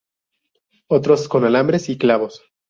Otros con alambres y clavos.